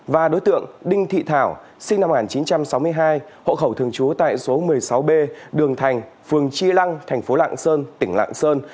và đối tượng đinh thị thảo sinh năm một nghìn chín trăm sáu mươi hai hộ khẩu thường trú tại số một mươi sáu b đường thành phường chi lăng thành phố lạng sơn tỉnh lạng sơn